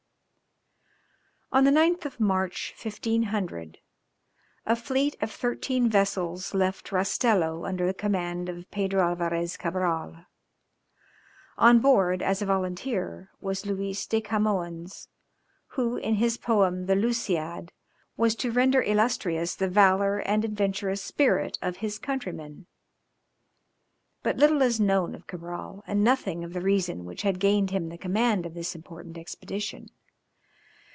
On the 9th of March, 1500, a fleet of thirteen vessels left Rastello, under the command of Pedro Alvarès Cabral; on board, as a volunteer, was Luiz de Camoens, who in his poem the "Lusiad," was to render illustrious the valour and adventurous spirit of his countrymen. But little is known of Cabral, and nothing of the reason which had gained him the command of this important expedition.